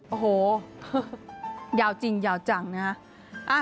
โอ้โหยาวจริงยาวจังนะฮะ